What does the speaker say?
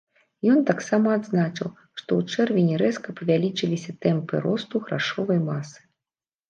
Ён таксама адзначыў, што ў чэрвені рэзка павялічыліся тэмпы росту грашовай масы.